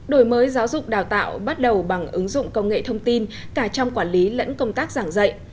đổi mới giáo dục đào tạo bắt đầu bằng ứng dụng công nghệ thông tin cả trong quản lý lẫn công tác giảng dạy